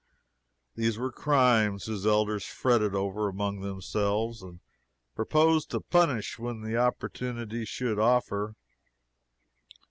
These were crimes his elders fretted over among themselves and proposed to punish when the opportunity should offer.